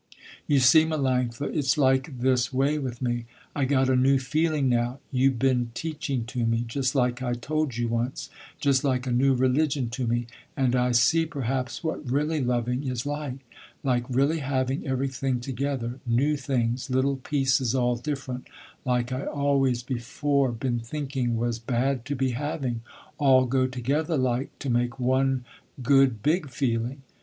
You see Melanctha, it's like this way with me. I got a new feeling now, you been teaching to me, just like I told you once, just like a new religion to me, and I see perhaps what really loving is like, like really having everything together, new things, little pieces all different, like I always before been thinking was bad to be having, all go together like, to make one good big feeling.